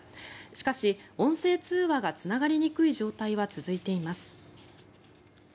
しかし、音声通話がつながりにくい状態は続いています。